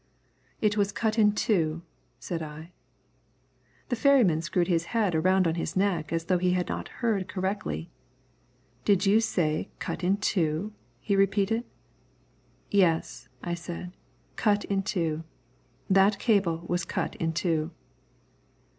"It was cut in two," said I. The ferryman screwed his head around on his neck as though he had not heard correctly. "Did you say 'cut in two'?" he repeated. "Yes," said I, "cut in two. That cable was cut in two."